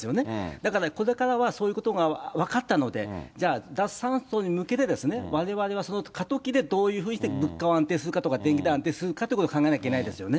だからこれからはそういうことが分かったので、じゃあ、脱炭素に向けてですね、われわれはその過渡期でどういうふうにして物価を安定するかとか電気代安定するかということを考えなきゃいけないですよね。